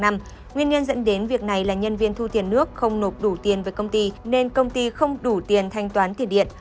nguyên nhân dẫn đến việc này là nhân viên thu tiền nước không nộp đủ tiền với công ty nên công ty không đủ tiền thanh toán tiền điện